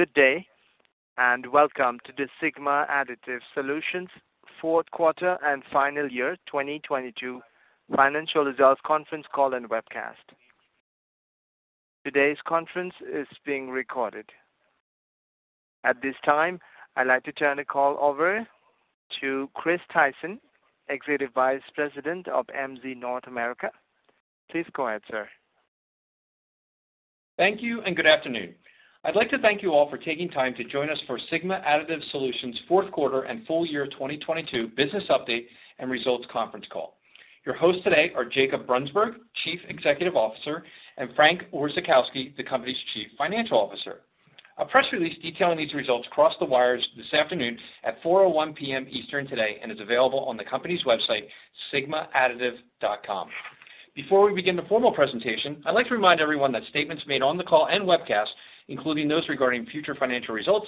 Good day, welcome to the Sigma Additive Solutions fourth quarter and final year 2022 financial results conference call and webcast. Today's conference is being recorded. At this time, I'd like to turn the call over to Chris Tyson, Executive Vice President of MZ North America. Please go ahead, sir. Thank you, and good afternoon. I'd like to thank you all for taking time to join us for Sigma Additive Solutions' fourth quarter and full-year 2022 business update and results conference call. Your hosts today are Jacob Brunsberg, Chief Executive Officer, and Frank Orzechowski, the company's Chief Financial Officer. A press release detailing these results crossed the wires this afternoon at 4:00 P.M. Eastern today and is available on the company's website, sigmaadditive.com. Before we begin the formal presentation, I'd like to remind everyone that statements made on the call and webcast, including those regarding future financial results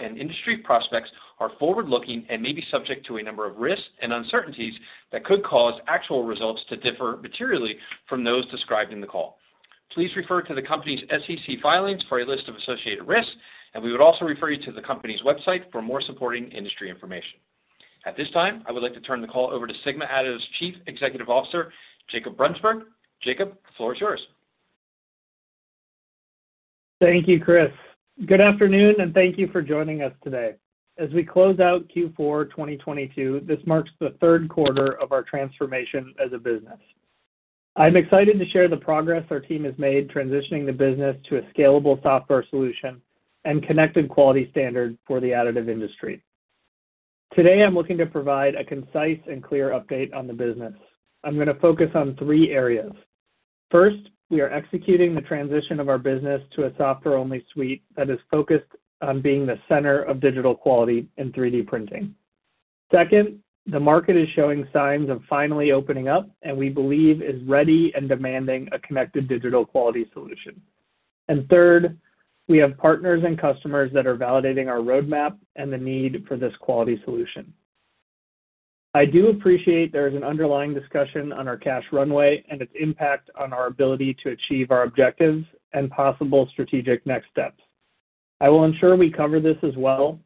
and industry prospects, are forward-looking and may be subject to a number of risks and uncertainties that could cause actual results to differ materially from those described in the call. Please refer to the company's SEC filings for a list of associated risks, and we would also refer you to the company's website for more supporting industry information. At this time, I would like to turn the call over to Sigma Additive's Chief Executive Officer, Jacob Brunsberg. Jacob, the floor is yours. Thank you, Chris. Good afternoon. Thank you for joining us today. As we close out Q4 2022, this marks the third quarter of our transformation as a business. I'm excited to share the progress our team has made transitioning the business to a scalable Software Solution and connected quality standard for the additive industry. Today, I'm looking to provide a concise and clear update on the business. I'm going to focus on three areas. First, we are executing the transition of our business to a software-only suite that is focused on being the center of digital quality in 3D printing. Second, the market is showing signs of finally opening up and we believe is ready and demanding a connected digital quality solution. Third, we have partners and customers that are validating our roadmap and the need for this quality solution. I do appreciate there is an underlying discussion on our cash runway and its impact on our ability to achieve our objectives and possible strategic next steps. I will ensure we cover this as well.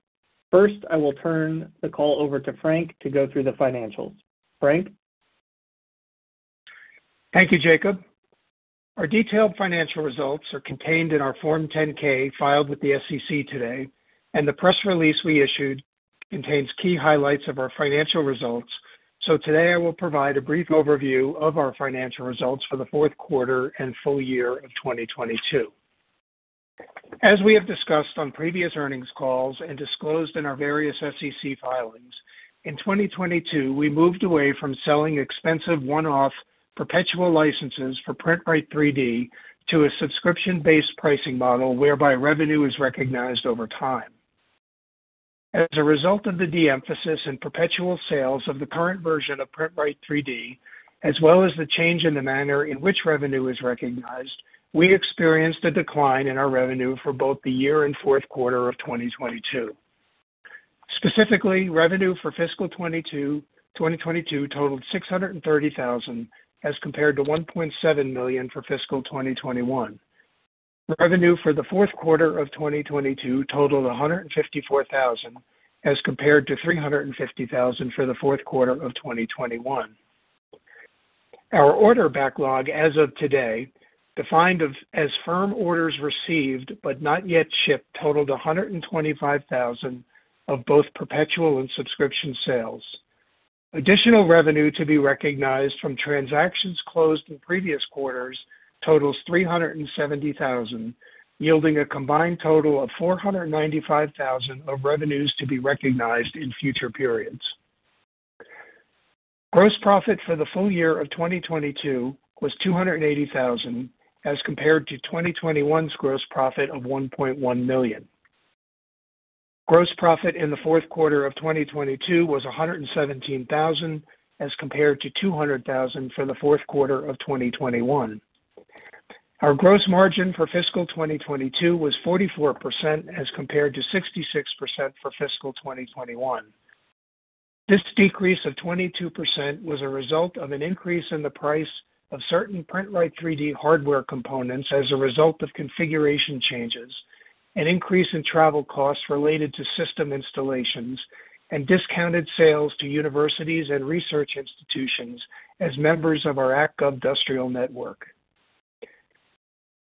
First, I will turn the call over to Frank to go through the financials. Frank? Thank you, Jacob. Our detailed financial results are contained in our Form 10-K filed with the SEC today, and the press release we issued contains key highlights of our financial results. Today I will provide a brief overview of our financial results for the fourth quarter and full-year of 2022. As we have discussed on previous earnings calls and disclosed in our various SEC filings, in 2022, we moved away from selling expensive one-off perpetual licenses for PrintRite3D to a subscription-based pricing model whereby revenue is recognized over time. As a result of the de-emphasis in perpetual sales of the current version of PrintRite3D, as well as the change in the manner in which revenue is recognized, we experienced a decline in our revenue for both the year and fourth quarter of 2022. Specifically, revenue for fiscal 2022 totaled $630,000 as compared to $1.7 million for fiscal 2021. Revenue for the fourth quarter of 2022 totaled $154,000 as compared to $350,000 for the fourth quarter of 2021. Our order backlog as of today, defined of as firm orders received but not yet shipped, totaled $125,000 of both perpetual and subscription sales. Additional revenue to be recognized from transactions closed in previous quarters totals $370,000, yielding a combined total of $495,000 of revenues to be recognized in future periods. Gross profit for the full year of 2022 was $280,000 as compared to 2021's gross profit of $1.1 million. Gross profit in the fourth quarter of 2022 was $117,000 as compared to $200,000 for the fourth quarter of 2021. Our gross margin for Fiscal 2022 was 44% as compared to 66% for Fiscal 2021. This decrease of 22% was a result of an increase in the price of certain PrintRite3D hardware components as a result of configuration changes, an increase in travel costs related to system installations, and discounted sales to universities and research institutions as members of our Academic and Industrial network.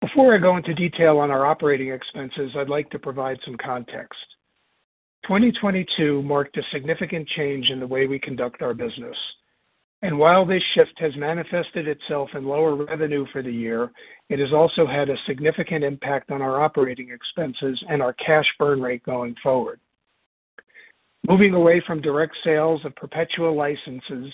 Before I go into detail on our operating expenses, I'd like to provide some context. 2022 marked a significant change in the way we conduct our business. While this shift has manifested itself in lower revenue for the year, it has also had a significant impact on our operating expenses and our cash burn rate going forward. Moving away from direct sales of perpetual licenses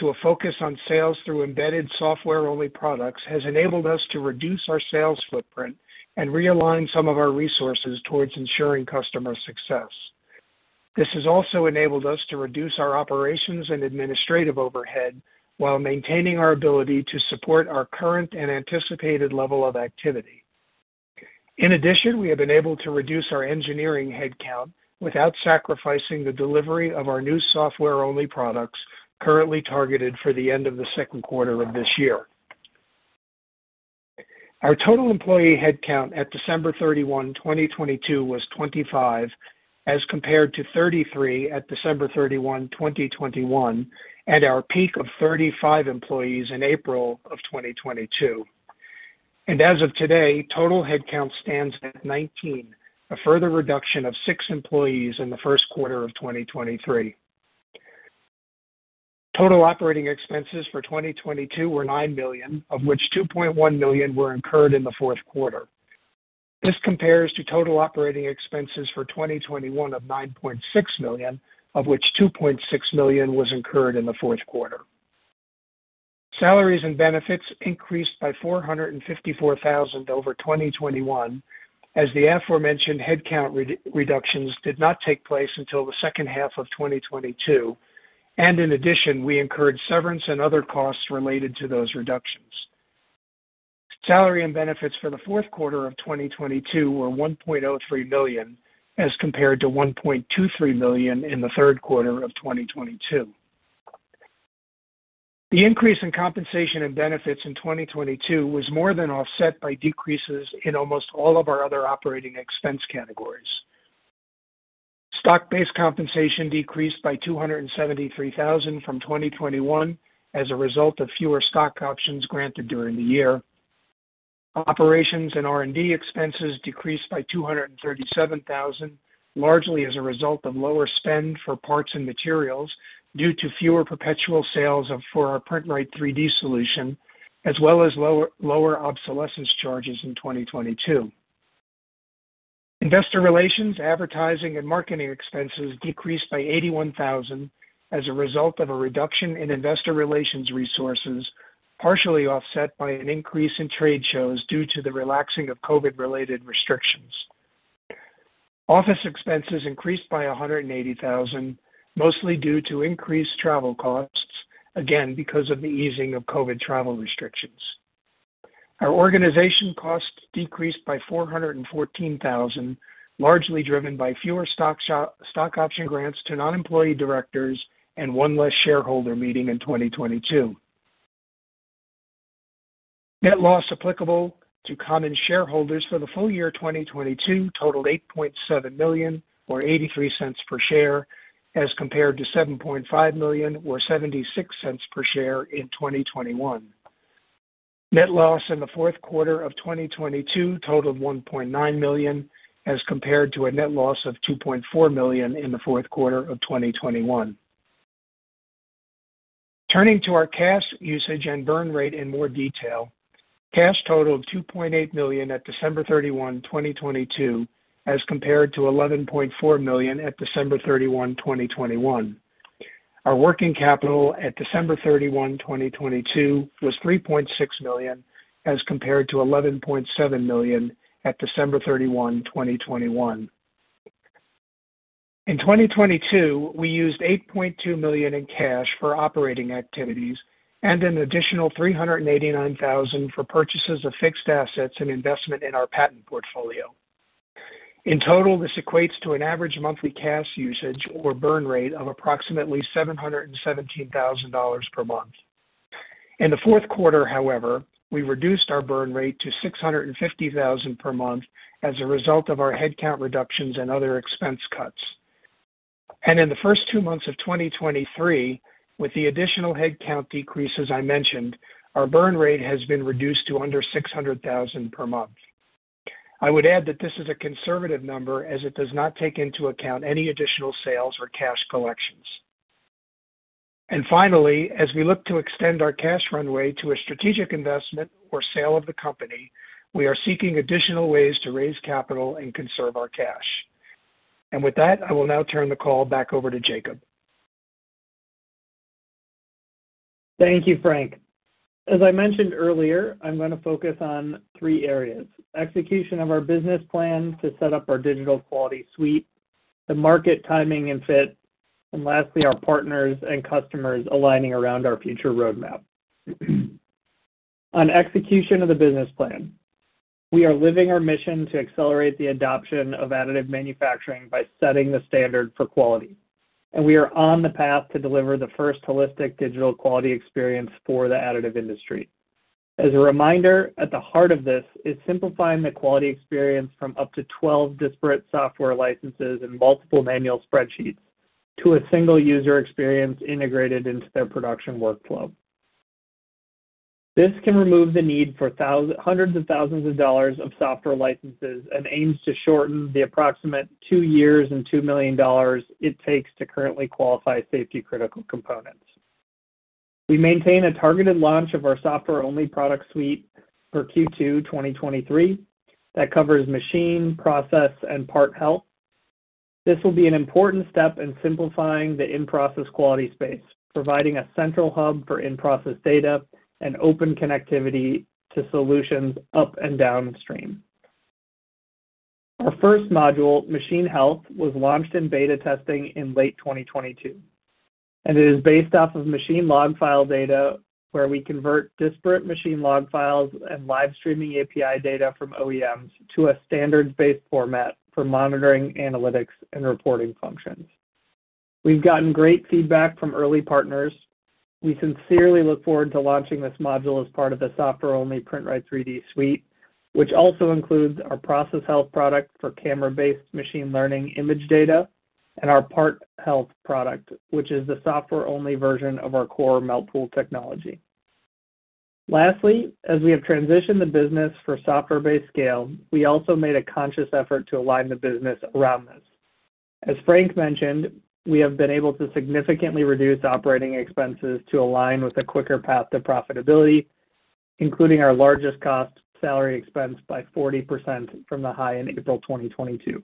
to a focus on sales through embedded software-only products has enabled us to reduce our sales footprint and realign some of our resources towards ensuring customer success. This has also enabled us to reduce our operations and administrative overhead while maintaining our ability to support our current and anticipated level of activity. We have been able to reduce our Engineering headcount without sacrificing the delivery of our new Software-only products currently targeted for the end of the second quarter of this year. Our total employee headcount at December 31, 2022 was 25, as compared to 33 at December 31, 2021, and our peak of 35 employees in April of 2022. As of today, total headcount stands at 19, a further reduction of six employees in the first quarter of 2023. Total operating expenses for 2022 were $9 million, of which $2.1 million were incurred in the fourth quarter. This compares to total operating expenses for 2021 of $9.6 million, of which $2.6 million was incurred in the fourth quarter. Salaries and benefits increased by $454,000 over 2021, as the aforementioned headcount reductions did not take place until the second half of 2022. In addition, we incurred severance and other costs related to those reductions. Salary and benefits for the fourth quarter of 2022 were $1.03 million, as compared to $1.23 million in the third quarter of 2022. The increase in compensation and benefits in 2022 was more than offset by decreases in almost all of our other operating expense categories. Stock-based compensation decreased by $273,000 from 2021 as a result of fewer stock options granted during the year. Operations and R&D expenses decreased by $237,000, largely as a result of lower spend for parts and materials due to fewer perpetual sales for our PrintRite3D solution, as well as lower obsolescence charges in 2022. Investor Relations, Advertising, and Marketing expenses decreased by $81,000 as a result of a reduction in Investor Relations resources, partially offset by an increase in trade shows due to the relaxing of COVID-related restrictions. Office expenses increased by $180,000, mostly due to increased travel costs, again, because of the easing of COVID travel restrictions. Our organization costs decreased by $414,000, largely driven by fewer stock option grants to non-employee directors and one less shareholder meeting in 2022. Net loss applicable to common shareholders for the full-year 2022 totaled $8.7 million, or $0.83 per share, as compared to $7.5 million or $0.76 per share in 2021. Net loss in the fourth quarter of 2022 totaled $1.9 million, as compared to a net loss of $2.4 million in the fourth quarter of 2021. Turning to our cash usage and burn rate in more detail, cash totaled $2.8 million at December 31, 2022, as compared to $11.4 million at December 31, 2021. Our working capital at December 31, 2022 was $3.6 million, as compared to $11.7 million at December 31, 2021. In 2022, we used $8.2 million in cash for operating activities and an additional $389,000 for purchases of fixed assets and investment in our patent portfolio. In total, this equates to an average monthly cash usage or burn rate of approximately $717,000 per month. In the fourth quarter, however, we reduced our burn rate to $650,000 per month as a result of our headcount reductions and other expense cuts. In the first two months of 2023, with the additional headcount decreases I mentioned, our burn rate has been reduced to under $600,000 per month. I would add that this is a conservative number as it does not take into account any additional sales or cash collections. Finally, as we look to extend our cash runway to a strategic investment or sale of the company, we are seeking additional ways to raise capital and conserve our cash. With that, I will now turn the call back over to Jacob. Thank you, Frank. As I mentioned earlier, I'm going to focus on three areas. Execution of our business plan to set up our digital quality suite, the market timing and fit, and lastly, our partners and customers aligning around our future roadmap. On execution of the business plan, we are living our mission to accelerate the adoption of additive manufacturing by setting the standard for quality. We are on the path to deliver the first holistic digital quality experience for the Additive industry. As a reminder, at the heart of this is simplifying the quality experience from up to 12 disparate software licenses and multiple manual spreadsheets to a single user experience integrated into their production workflow. This can remove the need for hundreds of thousands of dollars of software licenses and aims to shorten the approximate two years and $2 million it takes to currently qualify safety-critical components. We maintain a targeted launch of our software-only product suite for Q2, 2023 that covers machine, process, and part health. This will be an important step in simplifying the in-process quality space, providing a central hub for in-process data and open connectivity to solutions up and downstream. Our first module, Machine Health, was launched in beta testing in late 2022, and it is based off of machine log file data, where we convert disparate machine log files and live streaming API data from OEMs to a standards-based format for monitoring, analytics, and reporting functions. We've gotten great feedback from early partners. We sincerely look forward to launching this module as part of the software-only PrintRite3D suite, which also includes our process health product for camera-based machine learning image data and our part health product, which is the software-only version of our core MeltPool technology. As we have transitioned the business for software-based scale, we also made a conscious effort to align the business around this. As Frank mentioned, we have been able to significantly reduce OpEx to align with a quicker path to profitability, including our largest cost salary expense by 40% from the high in April 2022,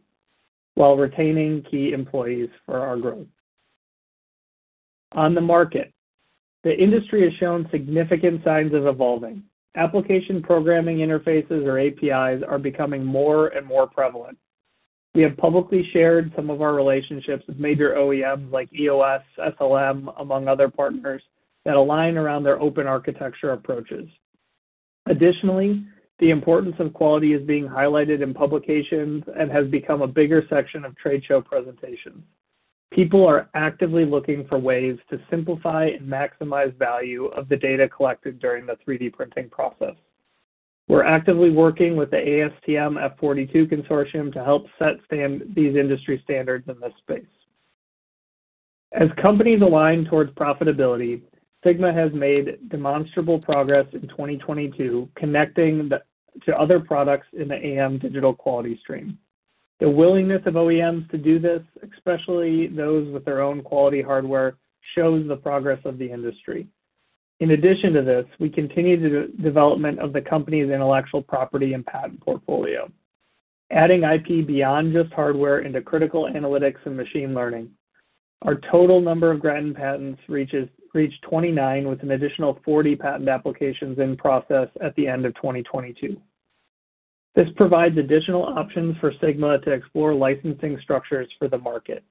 while retaining key employees for our growth. On the market, the industry has shown significant signs of evolving. Application programming interfaces or APIs are becoming more and more prevalent. We have publicly shared some of our relationships with major OEMs like EOS, SLM, among other partners, that align around their open architecture approaches. Additionally, the importance of quality is being highlighted in publications and has become a bigger section of trade show presentations. People are actively looking for ways to simplify and maximize value of the data collected during the 3D printing process. We're actively working with the ASTM F42 consortium to help set stand these industry standards in this space. As companies align towards profitability, Sigma has made demonstrable progress in 2022 connecting the to other products in the AM digital quality stream. The willingness of OEMs to do this, especially those with their own quality hardware, shows the progress of the industry. In addition to this, we continue the development of the company's intellectual property and patent portfolio, adding IP beyond just hardware into critical analytics and machine learning. Our total number of granted patents reached 29, with an additional 40 patent applications in process at the end of 2022. This provides additional options for Sigma to explore licensing structures for the market.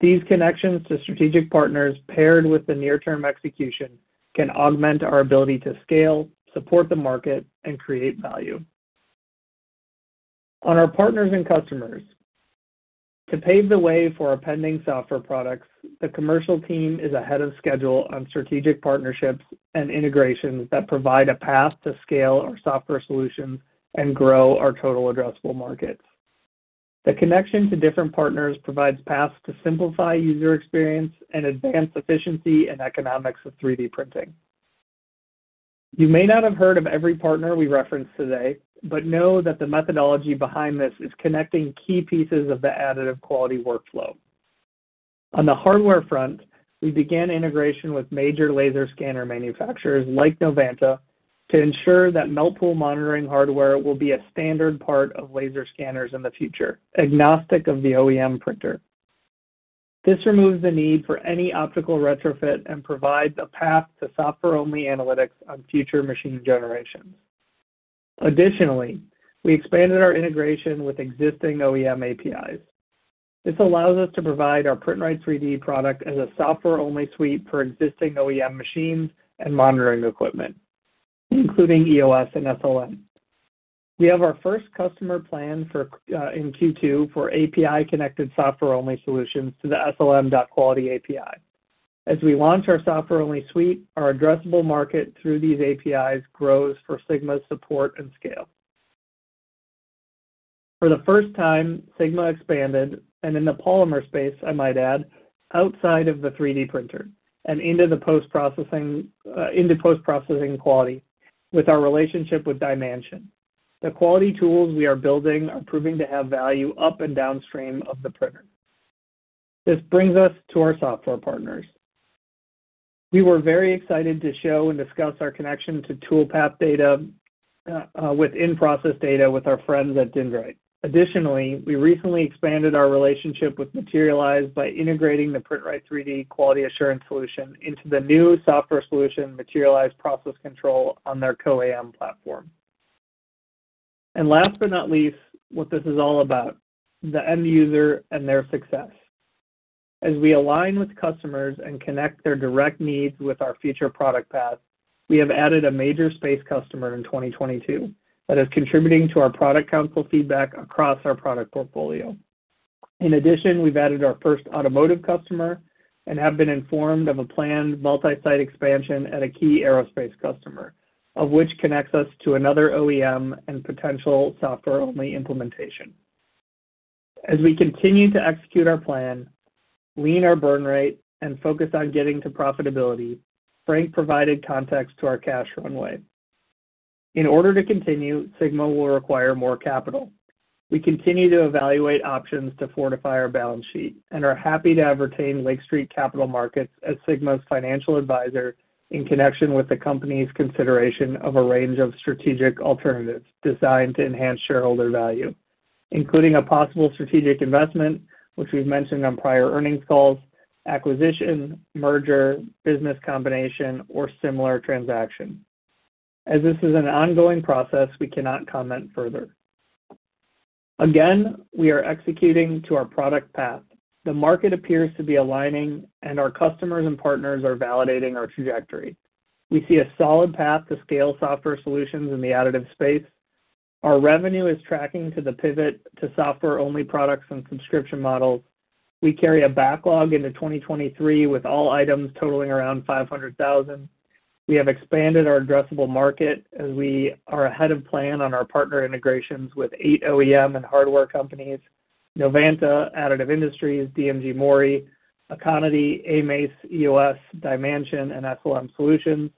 These connections to strategic partners paired with the near-term execution can augment our ability to scale, support the market, and create value. On our partners and customers, to pave the way for our pending Software products, the commercial team is ahead of schedule on strategic partnerships and integrations that provide a path to scale our Software Solutions and grow our total addressable markets. The connection to different partners provides paths to simplify user experience and advance efficiency and economics of 3D printing. You may not have heard of every partner we reference today, but know that the methodology behind this is connecting key pieces of the additive quality workflow. On the hardware front, we began integration with major laser scanner manufacturers like Novanta to ensure that MeltPool monitoring hardware will be a standard part of laser scanners in the future, agnostic of the OEM printer. This removes the need for any optical retrofit and provides a path to software-only analytics on future machine generations. Additionally, we expanded our integration with existing OEM APIs. This allows us to provide our PrintRite3D product as a software-only suite for existing OEM machines and monitoring equipment, including EOS and SLM. We have our first customer plan for in Q2 for API-connected Software-only solutions to the SLM.Quality API. As we launch our Software-only suite, our addressable market through these APIs grows for Sigma's support and scale. For the first time, Sigma expanded and in the polymer space, I might add, outside of the 3D printer and into post-processing quality with our relationship with DyeMansion. The quality tools we are building are proving to have value up and downstream of the printer. This brings us to our software partners. We were very excited to show and discuss our connection to tool path data with in-process data with our friends at Dyndrite. Additionally, we recently expanded our relationship with Materialise by integrating the PrintRite3D quality assurance solution into the new software solution Materialise Process Control on their CO-AM platform. Last but not least, what this is all about, the end user and their success. As we align with customers and connect their direct needs with our future product path, we have added a major space customer in 2022 that is contributing to our product council feedback across our product portfolio. We've added our first automotive customer and have been informed of a planned multi-site expansion at a key aerospace customer, of which connects us to another OEM and potential software-only implementation. As we continue to execute our plan, lean our burn rate, and focus on getting to profitability, Frank provided context to our cash runway. In order to continue, Sigma will require more capital. We continue to evaluate options to fortify our balance sheet and are happy to have retained Lake Street Capital Markets as Sigma's financial advisor in connection with the company's consideration of a range of strategic alternatives designed to enhance shareholder value, including a possible strategic investment, which we've mentioned on prior earnings calls, acquisition, merger, business combination, or similar transaction. This is an ongoing process, we cannot comment further. Again, we are executing to our product path. The market appears to be aligning, and our customers and partners are validating our trajectory. We see a solid path to scale software solutions in the additive space. Our revenue is tracking to the pivot to software-only products and subscription models. We carry a backlog into 2023, with all items totaling around $500,000. We have expanded our addressable market as we are ahead of plan on our partner integrations with 8 OEM and hardware companies, Novanta, Additive Industries, DMG MORI, Aconity3D, ACAM, EOS, DyeMansion, and SLM Solutions,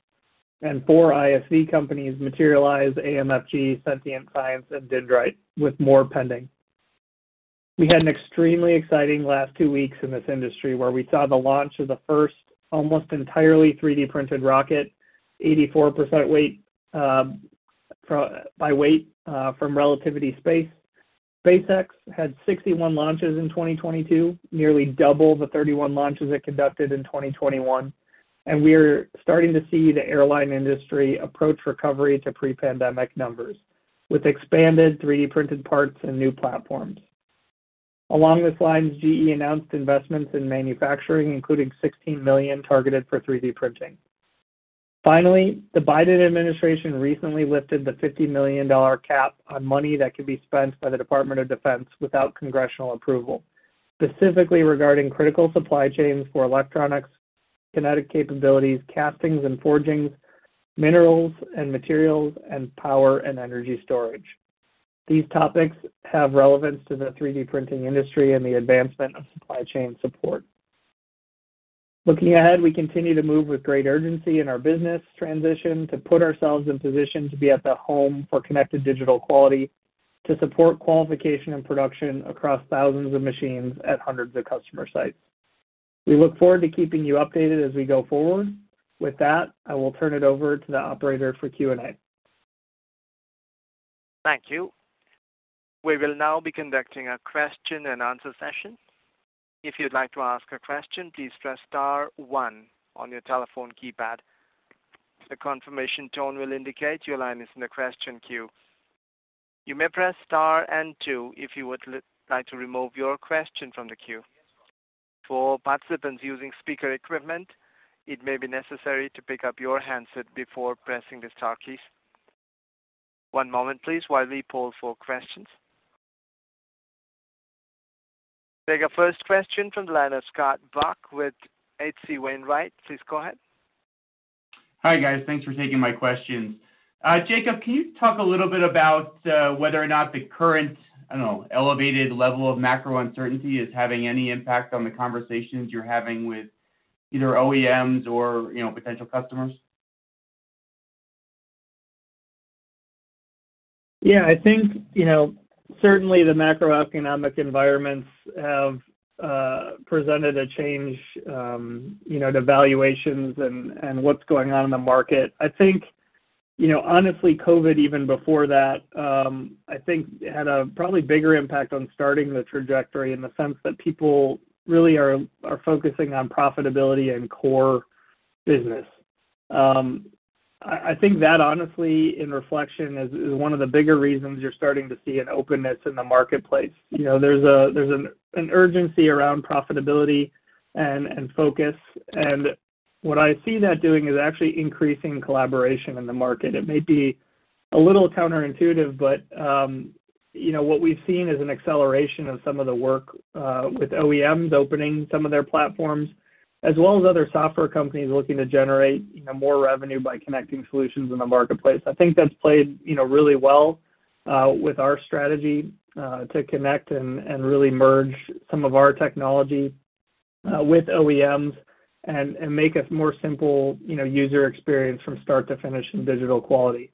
and 4 ISV companies Materialise, AMFG, Sentient Science, and Dyndrite, with more pending. We had an extremely exciting last 2 weeks in this industry where we saw the launch of the first almost entirely 3D printed rocket, 84% by weight, from Relativity Space. SpaceX had 61 launches in 2022, nearly double the 31 launches it conducted in 2021. We are starting to see the airline industry approach recovery to pre-pandemic numbers with expanded 3D printed parts and new platforms. Along this line, GE announced investments in manufacturing, including $16 million targeted for 3D printing. Finally, the Biden administration recently lifted the $50 million cap on money that could be spent by the Department of Defense without congressional approval, specifically regarding critical supply chains for electronics, kinetic capabilities, castings and forgings, minerals and materials, and power and energy storage. These topics have relevance to the 3D printing industry and the advancement of supply chain support. Looking ahead, we continue to move with great urgency in our business transition to put ourselves in position to be at the home for connected digital quality to support qualification and production across thousands of machines at hundreds of customer sites. We look forward to keeping you updated as we go forward. With that, I will turn it over to the operator for Q&A. Thank you. We will now be conducting a question and answer session. If you'd like to ask a question, please press Star one on your telephone keypad. The confirmation tone will indicate your line is in the question queue. You may press Star and two if you would like to remove your question from the queue. For participants using speaker equipment, it may be necessary to pick up your handset before pressing the star keys. One moment please while we poll for questions. We'll take our first question from the line of Scott Buck with H.C. Wainwright. Please go ahead. Hi, guys. Thanks for taking my questions. Jacob, can you talk a little bit about whether or not the current, I don't know, elevated level of macro uncertainty is having any impact on the conversations you're having with either OEMs or, you know, potential customers? Yeah, I think, you know, certainly the macroeconomic environments have presented a change, you know, to valuations and what's going on in the market. I think, you know, honestly, COVID, even before that, I think had a probably bigger impact on starting the trajectory in the sense that people really are focusing on profitability and core business. I think that honestly, in reflection, is one of the bigger reasons you're starting to see an openness in the marketplace. You know, there's a, there's an urgency around profitability and focus. What I see that doing is actually increasing collaboration in the market. It may be a little counterintuitive, but, you know, what we've seen is an acceleration of some of the work with OEMs opening some of their platforms, as well as other software companies looking to generate, you know, more revenue by connecting solutions in the marketplace. I think that's played, you know, really well with our strategy to connect and really merge some of our technology with OEMs and make a more simple, you know, user experience from start to finish in digital quality.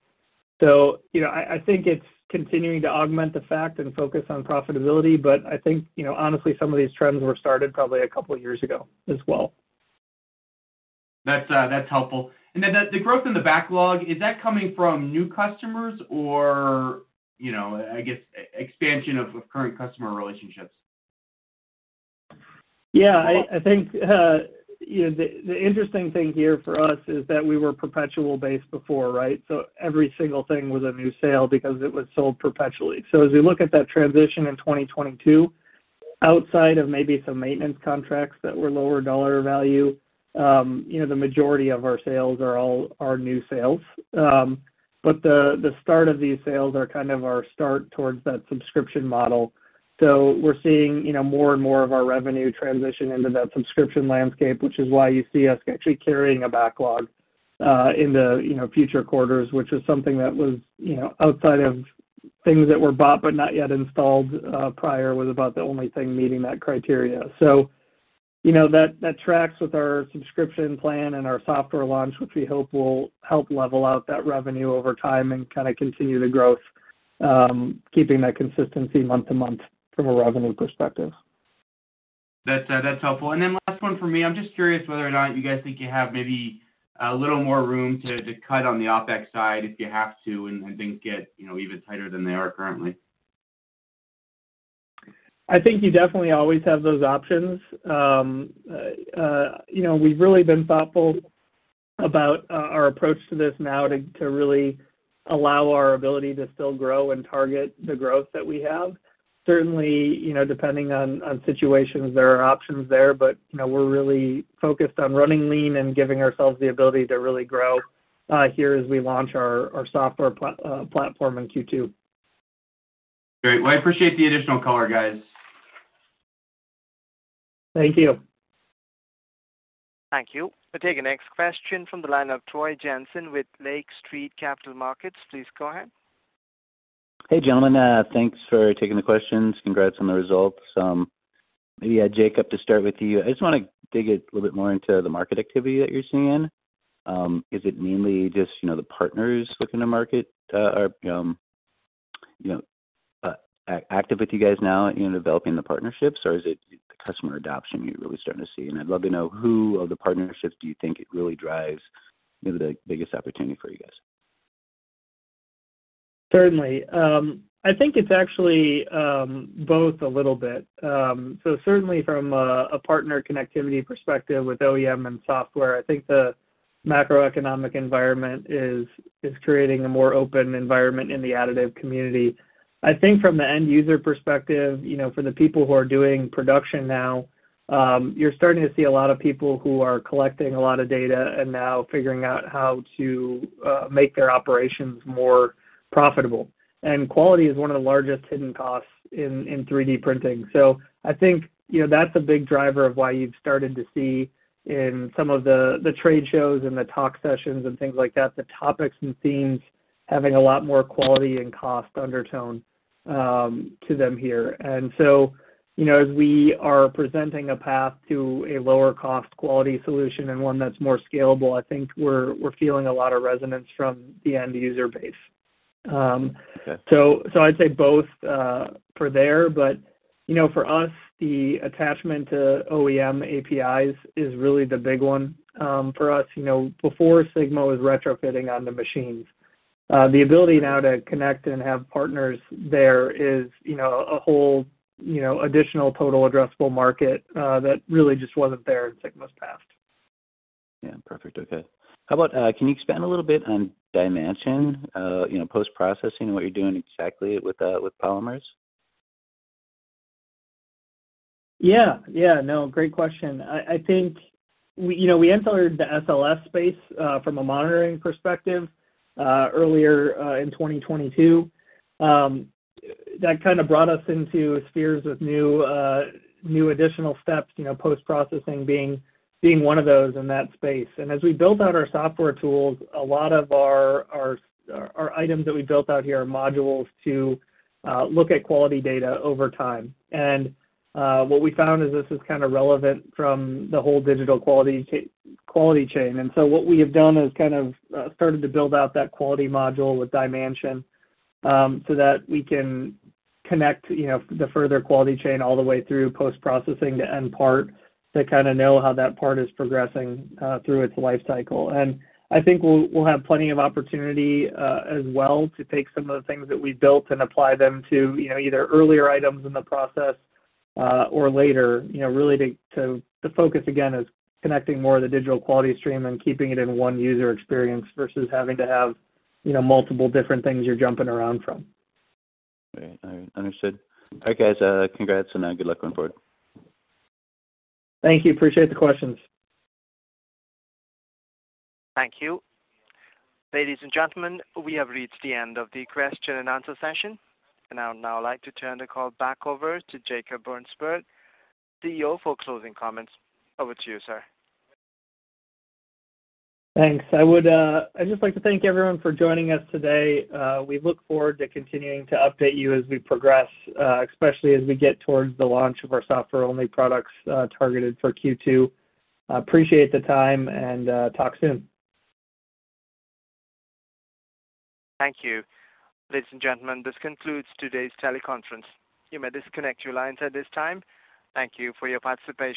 You know, I think it's continuing to augment the fact and focus on profitability, but I think, you know, honestly, some of these trends were started probably a couple of years ago as well. That's helpful. The growth in the backlog, is that coming from new customers or, you know, I guess expansion of current customer relationships? I think, you know, the interesting thing here for us is that we were perpetual-based before, right? Every single thing was a new sale because it was sold perpetually. As we look at that transition in 2022, outside of maybe some maintenance contracts that were lower dollar value, you know, the majority of our sales are all our new sales. The, the start of these sales are kind of our start towards that subscription model. We're seeing, you know, more and more of our revenue transition into that subscription landscape, which is why you see us actually carrying a backlog, in the, you know, future quarters, which is something that was, you know, outside of things that were bought but not yet installed, prior was about the only thing meeting that criteria. you know, that tracks with our subscription plan and our Software launch, which we hope will help level out that revenue over time and kind of continue the growth, keeping that consistency month to month from a revenue perspective. That's helpful. Last one from me. I'm just curious whether or not you guys think you have maybe a little more room to cut on the OpEx side if you have to and then get, you know, even tighter than they are currently? I think you definitely always have those options. You know, we've really been thoughtful about our approach to this now to really allow our ability to still grow and target the growth that we have. Certainly, you know, depending on situations, there are options there, but, you know, we're really focused on running lean and giving ourselves the ability to really grow here as we launch our Software platform in Q2. Great. I appreciate the additional color, guys. Thank you. Thank you. We'll take the next question from the line of Troy Jensen with Lake Street Capital Markets. Please go ahead. Hey, gentlemen. Thanks for taking the questions. Congrats on the results. Maybe, Jacob, to start with you. I just wanna dig a little bit more into the market activity that you're seeing. Is it mainly just, you know, the partners within the market, or, you know, active with you guys now in developing the partnerships? Or is it the customer adoption you're really starting to see? I'd love to know who of the partnerships do you think it really drives maybe the biggest opportunity for you guys. Certainly. I think it's actually both a little bit. Certainly from a partner connectivity perspective with OEM and software, I think the macroeconomic environment is creating a more open environment in the additive community. I think from the end user perspective, you know, for the people who are doing production now, you're starting to see a lot of people who are collecting a lot of data and now figuring out how to make their operations more profitable. Quality is one of the largest hidden costs in 3D printing. I think, you know, that's a big driver of why you've started to see in some of the trade shows and the talk sessions and things like that, the topics and themes having a lot more quality and cost undertone to them here. You know, as we are presenting a path to a lower cost quality solution and one that's more scalable, I think we're feeling a lot of resonance from the end user base. So I'd say both for there. You know, for us, the attachment to OEM APIs is really the big one. For us, you know, before Sigma was retrofitting on the machines. The ability now to connect and have partners there is a whole additional total addressable market that really just wasn't there in Sigma's past. Yeah. Perfect. Okay. How about, can you expand a little bit on DyeMansion, you know, post-processing and what you're doing exactly with polymers? Yeah. Yeah. No, great question. I think we, you know, we entered the SLS space from a monitoring perspective earlier in 2022. That kinda brought us into spheres of new additional steps, you know, post-processing being one of those in that space. As we built out our software tools, a lot of our items that we built out here are modules to look at quality data over time. What we found is this is kinda relevant from the whole digital quality chain. What we have done is kind of started to build out that quality module with DyeMansion so that we can connect, you know, the further quality chain all the way through post-processing to end part to kinda know how that part is progressing through its life cycle. I think we'll have plenty of opportunity as well to take some of the things that we built and apply them to, you know, either earlier items in the process or later, you know, really. The focus again is connecting more of the digital quality stream and keeping it in one user experience versus having to have, you know, multiple different things you're jumping around from. Okay. All right. Understood. All right, guys, congrats, and good luck moving forward. Thank you. Appreciate the questions. Thank you. Ladies and gentlemen, we have reached the end of the question-and-answer session. I would now like to turn the call back over to Jacob Brunsberg, CEO, for closing comments. Over to you, sir. Thanks. I'd just like to thank everyone for joining us today. We look forward to continuing to update you as we progress, especially as we get towards the launch of our software-only products, targeted for Q2. I appreciate the time, and talk soon. Thank you. Ladies and gentlemen, this concludes today's teleconference. You may disconnect your lines at this time. Thank you for your participation.